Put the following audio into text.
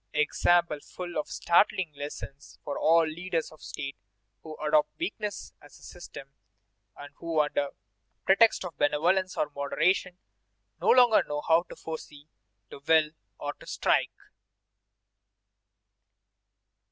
Example full of startling lessons for all leaders of state who adopt weakness as a system, and who, under pretext of benevolence or moderation, no longer know how to foresee, to will, or to strike!